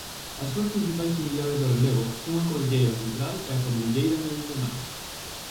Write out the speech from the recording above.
As súas principais unidades do relevo son a Cordilleira Central e a Cordilleira Meridional.